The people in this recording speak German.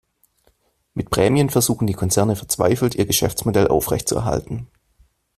Mit Prämien versuchen die Konzerne verzweifelt, ihr Geschäftsmodell aufrechtzuerhalten.